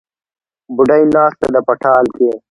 بوډۍ ناسته ده په ټال کې